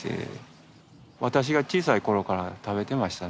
私が小さい頃から食べてましたね。